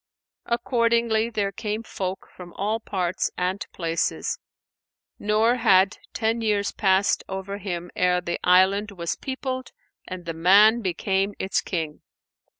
Accordingly, there came folk from all parts and places, nor had ten years passed over him ere the island was peopled and the man became its King.